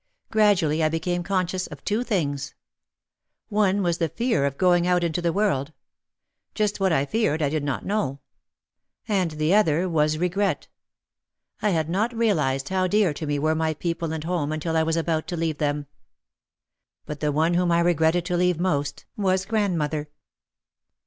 Gradually I became conscious of two things. One was the fear of going out into the world. Just what I feared I did not know. And the other was regret. I had not realised how dear to me were my people and home until I was about to leave them. But the one whom I regretted to leave most was grandmother.